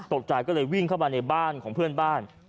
ตกใจก็เลยวิ่งเข้ามาในบ้านของเพื่อนบ้าน